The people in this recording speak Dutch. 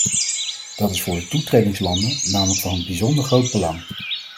Dat is voor de toetredingslanden namelijk van bijzonder groot belang.